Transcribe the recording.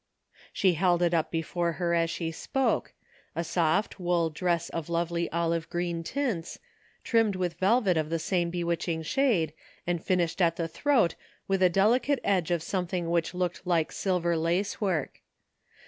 " She held it up before her as she spoke — a soft wool dress of lovely olive green tints, trimmed with velvet of the same bewitching shade, and finished at the throat with a delicate edge of something which looked like silver lace work.